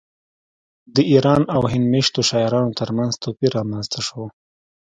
د ایران او هند میشتو شاعرانو ترمنځ توپیر رامنځته شو